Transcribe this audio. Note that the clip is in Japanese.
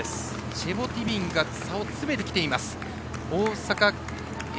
チェボティビンが差を詰めてきています。